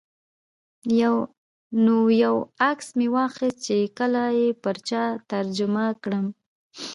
نو یو عکس مې واخیست چې کله یې پر چا ترجمه کړم.